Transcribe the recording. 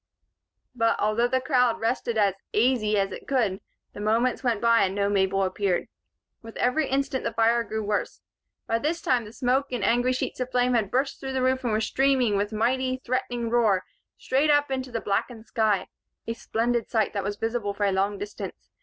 But, although the crowd rested as "aisy" as it could, the moments went by and no Mabel appeared. With every instant the fire grew worse. By this time, the smoke and angry sheets of flame had burst through the roof and were streaming, with a mighty, threatening roar, straight up into the blackened sky a splendid sight that was visible for a long distance.